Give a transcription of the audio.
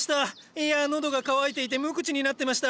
いや喉が渇いていて無口になってました。